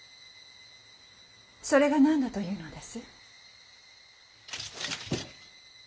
それが何だというのです！